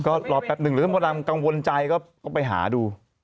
ก็รอแป๊บหนึ่งหรือถ้ามดดำกังวลใจก็ไปหาดู